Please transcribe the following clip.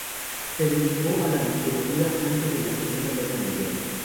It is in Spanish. Se dedicó a la literatura antes de la Segunda Guerra Mundial.